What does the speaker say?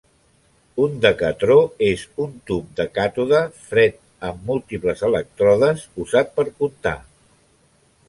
Un Decatró és un tub de càtode fred amb múltiples elèctrodes usat per contar.